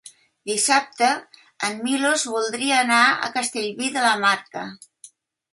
Dissabte en Milos voldria anar a Castellví de la Marca.